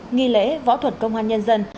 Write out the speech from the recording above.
nghi lễ võ thuật công an nhân dân